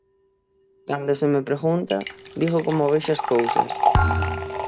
Cando se me pregunta, digo como vexo as cousas.